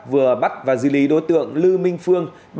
vừa bắt và di lý đối tượng lư minh phương